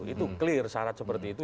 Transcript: itu clear syarat seperti itu